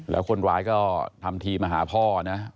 แล้วคนร้ายก็ทำทีมาหาพ่อนะ